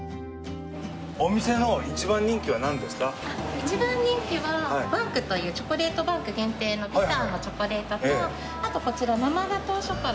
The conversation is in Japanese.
一番人気は「ＢＡＮＫ」というチョコレートバンク限定のビターのチョコレートとあとこちら生ガトーショコラ。